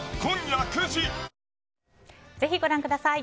ぜひご覧ください。